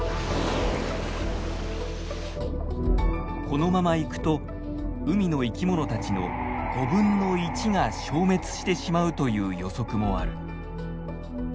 このままいくと海の生き物たちの５分の１が消滅してしまうという予測もある。